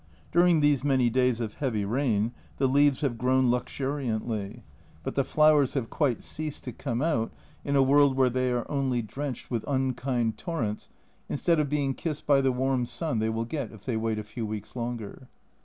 During these many days of heavy rain the leaves have grown luxuriantly, but the flowers have quite ceased to come out in a world where they are only drenched with unkind torrents A Journal from Japan 183 instead of being kissed by the warm sun they will get if they wait a few weeks longer.